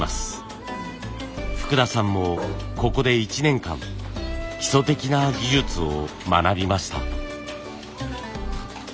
福田さんもここで１年間基礎的な技術を学びました。